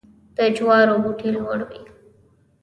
د جوارو بوټی لوړ وي.